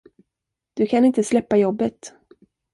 Du kan inte släppa jobbet.